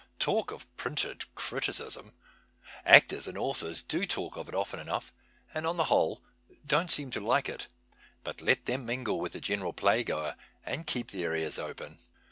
Talk of printed criticism ! Actors and authors do talk of it often enough, and on the whole don't seem to like it ; but let them mingle with the general playgoer and keep their ears open